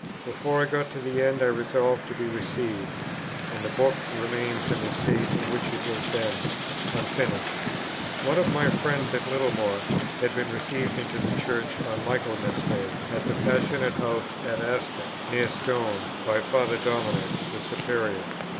Before I got to the end, I resolved to be received, and the book remains in the state in which it was then, unfinished. One of my friends at Littlemore had been received into the Church on Michaelmas Day, at the Passionist House at Aston, near Stone, by Father Dominic, the Superior.